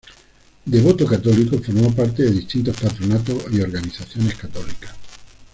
Devoto católico, formó parte de distintos patronatos y organizaciones católicas.